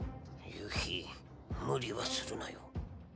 夕日無理はするなよ。